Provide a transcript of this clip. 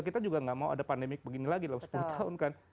kita juga nggak mau ada pandemi begini lagi dalam sepuluh tahun kan